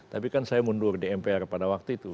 tapi kan saya mundur di mpr pada waktu itu